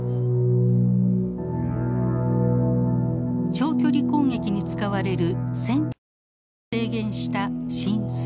長距離攻撃に使われる戦略核を制限した新ＳＴＡＲＴ。